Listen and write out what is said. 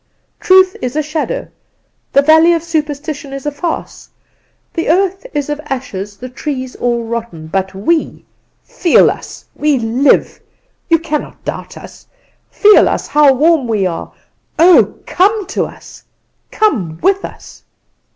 Truth is a shadow; the valleys of superstition are a farce: the earth is of ashes, the trees all rotten; but we feel us we live! You cannot doubt us. Feel us how warm we are! Oh, come to us! Come with us!